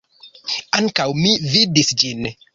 Ankaŭ mi vidis ĝin.